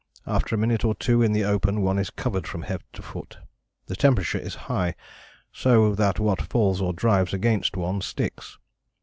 After a minute or two in the open one is covered from head to foot. The temperature is high, so that what falls or drives against one sticks.